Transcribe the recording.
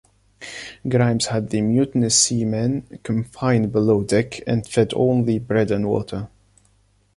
Grimes had the mutinous seamen confined below deck and fed only bread and water.